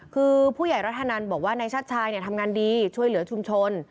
คือผู้ใหญ่รัฐนันบอกว่านายชาติชายทำงานดีช่วยเหลือชุมชน